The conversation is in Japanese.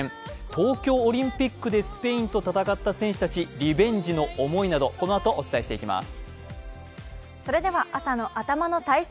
東京オリンピックでスペインと戦った選手たちリベンジの思いなど、このあとお伝えしていきます。